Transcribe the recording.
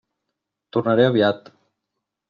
Tornaré aviat.